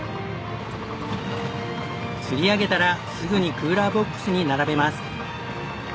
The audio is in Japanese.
釣り上げたらすぐにクーラーボックスに並べます。